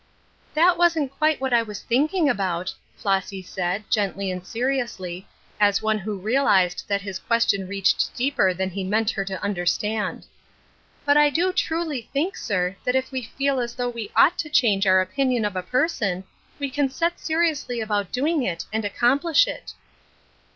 " That wasn't quite what I was thinking about," Flossy said, gently and seriously, as one who realized that his question reached deeper than he meant her to understand. '' But I do truly think, sir, that if we feel as though we ought to change our opinion of a person, we can set seriousl}^ about doing it and accomplish it."